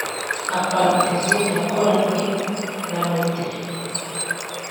‘Nka Paradizo yakoranye na Meddy’